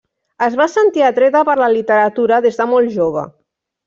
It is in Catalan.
Es va sentir atreta per la literatura des de molt jove.